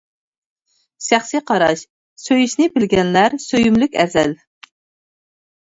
شەخسى قاراش سۆيۈشنى بىلگەنلەر سۆيۈملۈك ئەزەل.